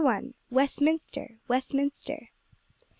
WESTMINSTER! WESTMINSTER!